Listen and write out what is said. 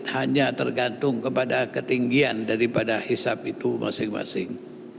hanya tergantung kepada ketinggian daripada hisap itu masing masing